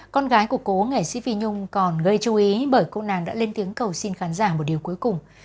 con gái của cô nghệ sĩ phi nhung còn gây chú ý bởi cô nàng đã lên tiếng cầu xin khán giả một điều cuối cùng